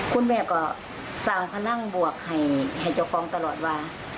คุณแม่ก็สั่งพนังบวกให้เจ้าของตลอดว่า